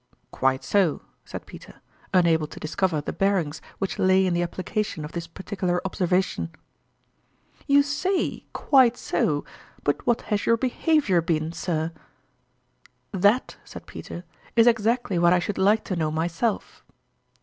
" Quite so," said Peter, unable to discover the bearings which lay in the application of this particular observation. " You say f Quite so '; but what has your "behavior been, sir ?" 70 tourmalin's ftime "That," said Peter, "is exactly what I should like to know myself